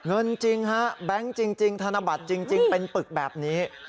เงินจริงฮะแบงค์จริงธนบัตรจริงเป็นปึกแบบนี้